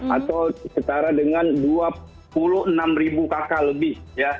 atau setara dengan dua puluh enam ribu kakak lebih